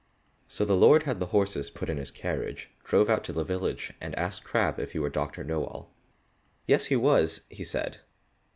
So the lord had the horses put in his carriage, drove out to the village, and asked Crabb if he were Doctor Knowall? Yes, he was, he said.